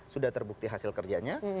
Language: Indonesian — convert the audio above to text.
sudah terbukti hasil kerjanya